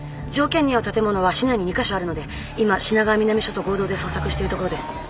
条件に合う建物は市内に２カ所あるので今品川南署と合同で捜索しているところです。